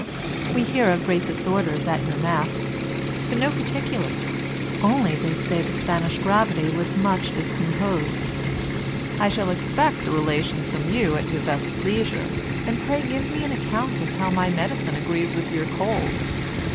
We hear of great disorders at your masks, but no particulars, only they say the Spanish gravity was much discomposed. I shall expect the relation from you at your best leisure, and pray give me an account how my medicine agrees with your cold.